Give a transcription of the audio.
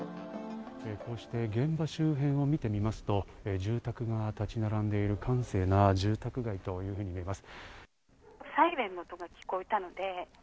こうして現場周辺を見てみますと住宅が建ち並んで閑静な住宅街というふうに見えます。